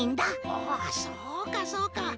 おおそうかそうか。